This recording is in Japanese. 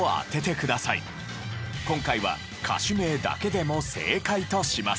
今回は歌手名だけでも正解とします。